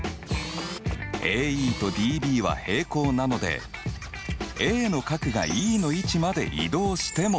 ＡＥとＤＢは平行なのでＡの角がＥの位置まで移動しても。